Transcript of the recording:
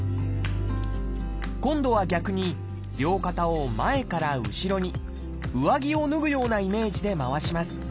今度は逆に両肩を前から後ろに上着を脱ぐようなイメージで回します